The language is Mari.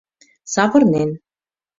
Савырнен